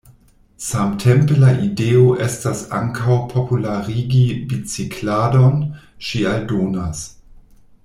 Samtempe la ideo estas ankaŭ popularigi bicikladon, ŝi aldonas.